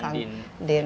bapak hasan din